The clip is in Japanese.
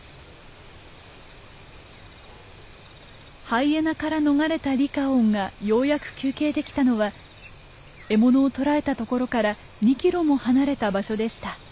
ハイエナから逃れたリカオンがようやく休憩できたのは獲物を捕らえた所から２キロも離れた場所でした。